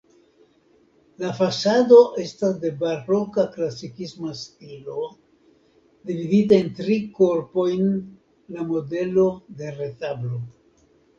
La fasado estas de baroka-klasikisma stilo, dividita en tri korpojn la modelo de retablo.